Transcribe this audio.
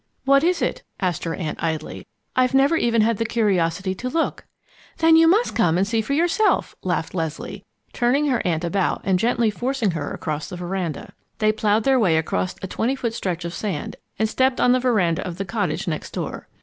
"What is it?" asked her aunt, idly. "I've never even had the curiosity to look." "Then you must come and see for yourself!" laughed Leslie, turning her aunt about and gently forcing her across the veranda. They ploughed their way across a twenty foot stretch of sand and stepped on the veranda of the cottage next door.